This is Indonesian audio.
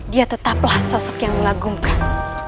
dia tetaplah sosok yang mengagumkan